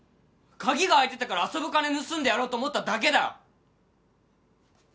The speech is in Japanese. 鍵が開いてたから遊ぶ金盗んでやろうと思っただけだよ！